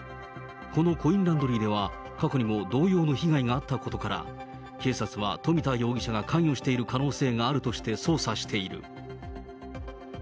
このコインランドリーでは、過去にも同様の被害があったことから、警察は冨田容疑者が関与している可能性があるとして捜査している。